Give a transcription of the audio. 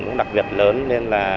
cũng đặc biệt lớn nên là